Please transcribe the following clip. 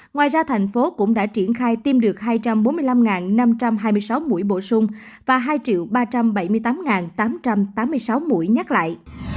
ngoài ra thành phố cũng đã triển khai tiêm được hai trăm bốn mươi năm năm trăm hai mươi sáu mũi bổ sung và hai ba trăm bảy mươi tám tám trăm tám mươi sáu mũi nhắc lại